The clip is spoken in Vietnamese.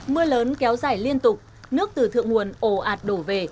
mưa lớn kéo dài liên tục nước từ thượng nguồn ồ ạt đổ về